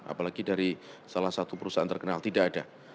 apalagi dari salah satu perusahaan terkenal tidak ada